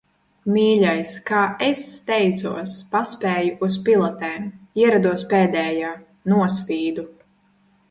Mīļais, kā es steidzos! Paspēju uz pilatēm. Ierados pēdējā. Nosvīdu.